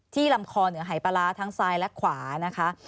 ลำคอเหนือหายปลาร้าทั้งซ้ายและขวานะคะ